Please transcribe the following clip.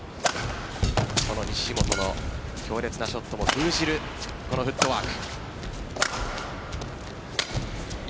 この西本の強烈なショットも封じるフットワーク。